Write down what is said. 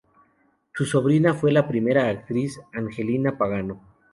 Su sobrina fue la primera actriz Angelina Pagano.